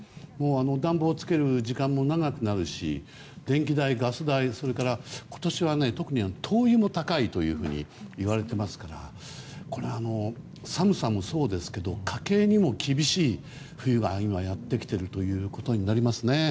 暖房をつける時間も長くなるし電気代、ガス代それから、今年は特に灯油も高いというふうにいわれていますからこれは寒さもそうですけど家計にも厳しい冬が今、やってきているということになりますね。